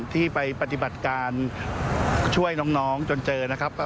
ที่ไปปฏิบัติการช่วยน้องจนเจอนะครับ